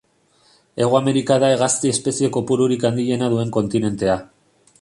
Hego Amerika da hegazti espezie kopururik handiena duen kontinentea.